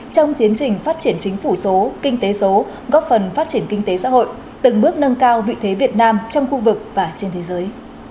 trong tiến trình phát triển chính phủ số kinh tế số góp phần phát triển kinh tế xã hội từng bước nâng cao vị thế việt nam trong khu vực và trên thế giới